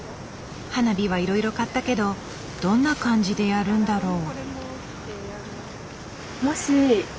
花火はいろいろ買ったけどどんな感じでやるんだろう？